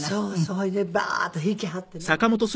それでバーッと引きはってね